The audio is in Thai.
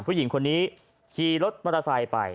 ผู้หญิงคนนี้ขี่รถมอเตอร์ไซค์ไป